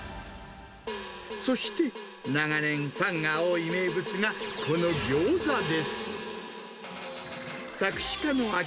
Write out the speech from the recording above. そして、長年ファンが多い名物が、このギョーザです。